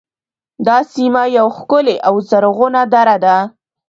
دا سیمه یوه ښکلې او زرغونه دره ده